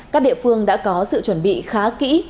các địa phương đã có sự chuẩn bị khá kỹ